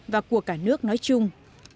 và của cả nước nói chung